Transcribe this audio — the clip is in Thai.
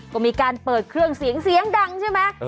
ก็มีการเปิดเครื่องเสียงเสียงดังใช่ไหม